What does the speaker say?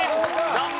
残念。